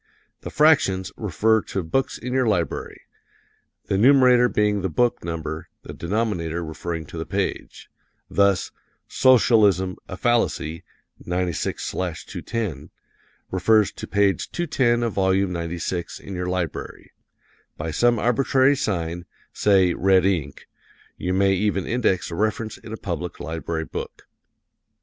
The fractions refer to books in your library the numerator being the book number, the denominator referring to the page. Thus, "S. a fallacy, 96/210," refers to page 210 of volume 96 in your library. By some arbitrary sign say red ink you may even index a reference in a public library book.